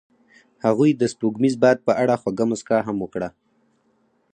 هغې د سپوږمیز باد په اړه خوږه موسکا هم وکړه.